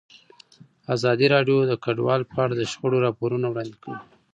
ازادي راډیو د کډوال په اړه د شخړو راپورونه وړاندې کړي.